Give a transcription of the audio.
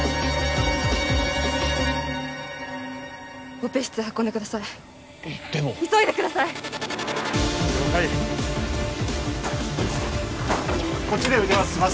オペ室へ運んでくださいでも急いでください了解こっちで受けます